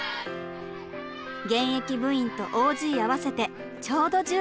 現役部員とＯＧ合わせてちょうど１８人。